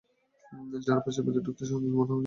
যার পাছার ভিতর ঢুকতে স্বাচ্ছন্দ্য মনে হবে, আমি ঢুকবো।